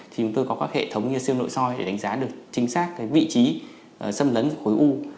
thì chúng tôi có các hệ thống như siêu nội soi để đánh giá được chính xác cái vị trí xâm lấn của khối u